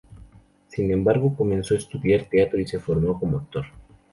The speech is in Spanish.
Sin embargo, comenzó a estudiar teatro y se formó como actor.